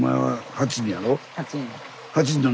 ８人。